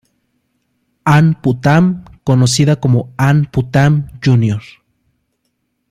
Ann Putnam conocida como Ann Putnam, Jr.